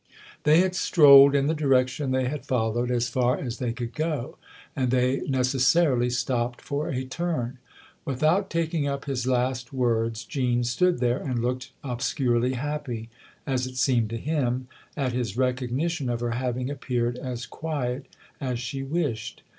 They had strolled, in the direction they had followed, as far as they could go, and they neces sarily stopped for a turn. Without taking up his last words Jean stood there and looked obscurely happy, as it seemed to him, at his recognition of her having appeared as quiet as she wished.